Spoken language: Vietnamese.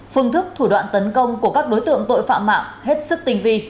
phương thức thủ đoạn tấn công của các đối tượng tội phạm mạng hết sức tinh vi